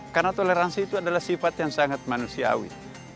karena toleransi itu adalah sifat yang sangat manusiawi